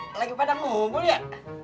wah lagi pada ngumpul ya